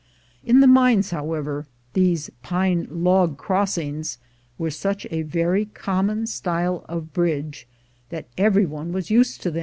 In the mines, however, these "pine log crossings" were such a verj' common style of bridge, A BAXD OF WAXDEEEES 251 .